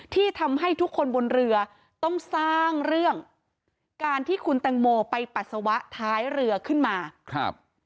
ที่ทำให้ทุกคนบนเรือต้องสร้างเรื่องการที่คุณแตงโมไปปัสสาวะท้ายเรือขึ้นมาครับ